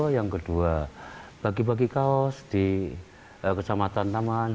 yang kedua bagi bagi kaos di kecamatan taman